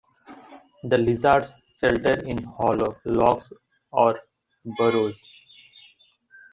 The lizards shelter in hollow logs or burrows.